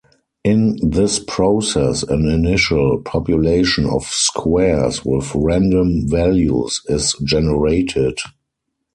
In this process an initial population of squares with random values is generated.